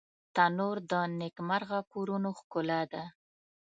تنور د نیکمرغه کورونو ښکلا ده